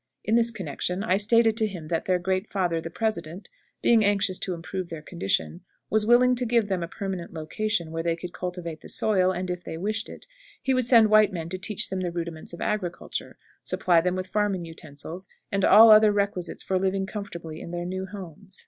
In this connection, I stated to him that their Great Father, the President, being anxious to improve their condition, was willing to give them a permanent location, where they could cultivate the soil, and, if they wished it, he would send white men to teach them the rudiments of agriculture, supply them with farming utensils, and all other requisites for living comfortably in their new homes.